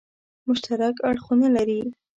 مشترک اړخونه لري.